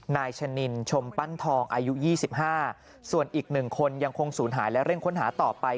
นายชะนินชมปั้นทองอายุ๒๕ส่วนอีก๑คนยังคงศูนย์หายและเร่งค้นหาต่อไป